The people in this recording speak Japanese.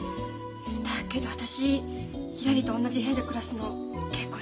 だけど私ひらりと同じ部屋で暮らすの結構しんどいな。